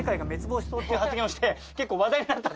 ていう発言をして結構話題になった。